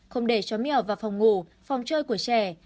không để chó mèo vào phòng ngủ phòng chơi của trẻ